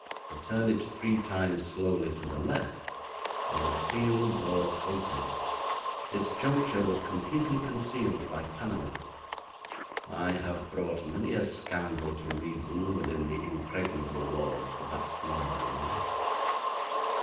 But turn it three times slowly to the left, and the steel door opened. Its juncture was completely concealed by panelling. I have brought many a scoundrel to reason within the impregnable walls of that small room.